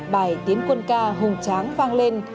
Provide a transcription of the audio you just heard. bài tiến quân ca hùng tráng vang lên